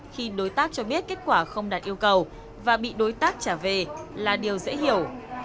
khi đối tác cho biết kết quả không đạt yêu cầu và bị đối tác trả về là điều dễ hiểu